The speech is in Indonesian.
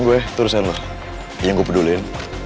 gue ya urusan lo yang gue peduliin